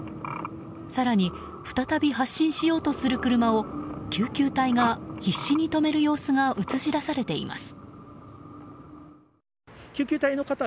更に、再び発進しようとする車を救急隊が必死に止める様子が映し出されています。